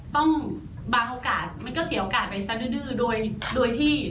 ต้องบางโอกาสมันก็เสียโอกาสไปซะดื่อ